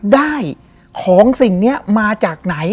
ได้ของสิ่งนี้มาจากไหน